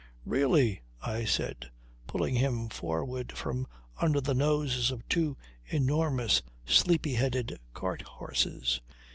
"Really!" I said, pulling him forward from under the noses of two enormous sleepy headed cart horses.